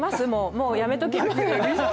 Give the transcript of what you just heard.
もうやめときます？